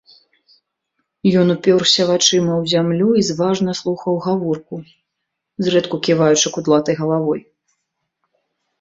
Ён упёрся вачыма ў зямлю і зважна слухаў гаворку, зрэдку ківаючы кудлатай галавой.